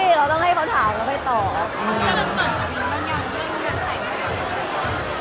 มันเป็นเรื่องน่ารักที่เวลาเจอกันเราต้องแซวอะไรอย่างเงี้ย